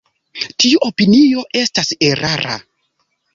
Tiu opinio estas erara.